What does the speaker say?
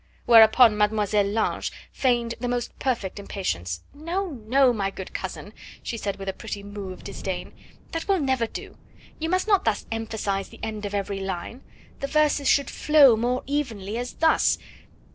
Whereupon Mademoiselle Lange feigned the most perfect impatience. "No, no, my good cousin," she said with a pretty moue of disdain, "that will never do! You must not thus emphasise the end of every line; the verses should flow more evenly, as thus...."